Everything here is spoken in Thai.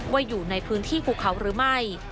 อยู่ในพื้นที่ภูเขาหรือไม่